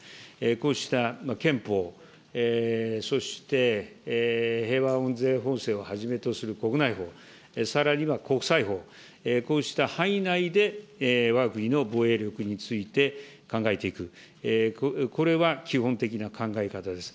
こうした憲法、そして平和安全法制をはじめとする国内法、さらには国際法、こうした範囲内でわが国の防衛力について考えていく、これは基本的な考え方です。